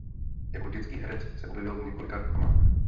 Jako dětský herec se objevil v několika reklamách.